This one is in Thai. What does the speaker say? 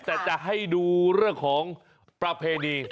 แต่จะให้ดูเรื่องของประเพณี